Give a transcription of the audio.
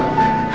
aku akan menang